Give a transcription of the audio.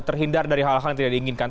terhindar dari hal hal yang tidak diinginkan